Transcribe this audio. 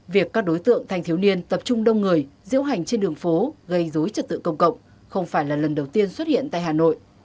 việc các đối tượng thanh thiếu niên tập trung đông người diễu hành trên đường phố gây dối trật tự công cộng không phải là lần đầu tiên xuất hiện tại hà nội